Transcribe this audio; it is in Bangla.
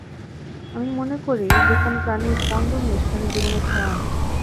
আমি মনে করি যেখানে প্রাণের স্পন্দন নেই সেখানে জীবনের ছোঁয়াও নেই।